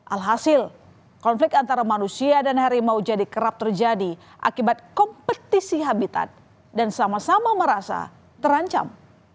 alhasil konflik antara manusia dan harimau jadi kerap terjadi akibat kompetisi habitat dan sama sama merasa terancam